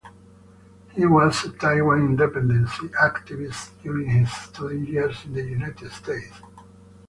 He was a Taiwan independence activist during his student years in the United States.